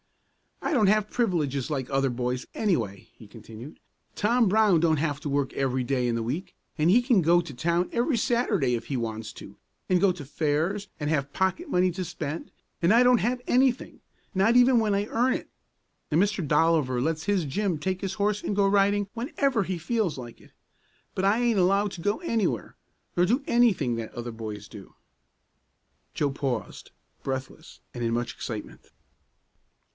"I don't have privileges like other boys, anyway," he continued. "Tom Brown don't have to work every day in the week, and he can go to town every Saturday if he wants to, and go to fairs, and have pocket money to spend; and I don't have anything, not even when I earn it. And Mr. Dolliver lets his Jim take his horse and go riding whenever he feels like it; but I aint allowed to go anywhere, nor do anything that other boys do!" Joe paused, breathless and in much excitement.